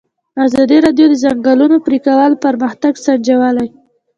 ازادي راډیو د د ځنګلونو پرېکول پرمختګ سنجولی.